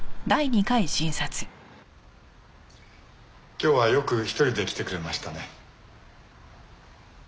今日はよく１人で来てくれましたね。